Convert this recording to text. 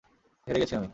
হেরে গেছি আমি।